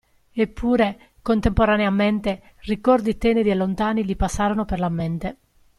Eppure, contemporaneamente, ricordi teneri e lontani gli passarono per la mente.